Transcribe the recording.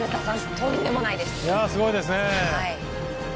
いや、すごいですね。